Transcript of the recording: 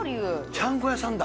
ちゃんこ屋さんだ。